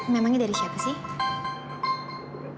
memangnya dari siapa sih